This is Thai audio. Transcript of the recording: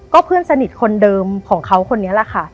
ก็เพื่อนสนิทคนเดิมของเขาคนนี้แหละค่ะ